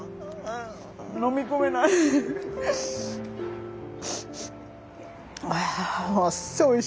飲み込めない。